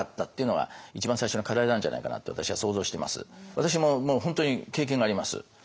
私ももう本当に経験があります。